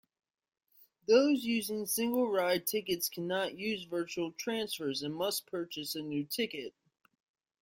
Those using single-ride tickets cannot use virtual transfers and must purchase a new ticket.